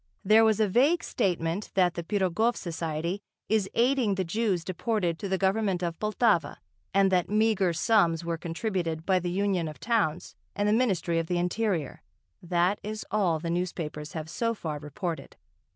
There was a vague statement that the Pirogov Society is aiding the Jews deported to the Government of Poltava and that meagre sums were contributed by the Union of Towns and the Ministry of the Interior, that is all the newspapers have so far reported.